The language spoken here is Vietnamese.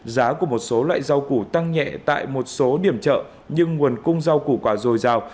giá của một số loại rau củ tăng nhẹ tại một số điểm chợ nhưng nguồn cung rau củ quả dồi dào